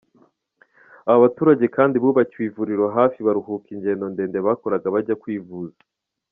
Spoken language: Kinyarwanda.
Aba baturage kandi bubakiwe ivuriro hafi baruhuka ingendo ndende bakoraga bajya kwivuza.